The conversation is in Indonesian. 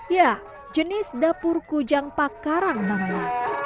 ya jenis dapur kujang pakarang namanya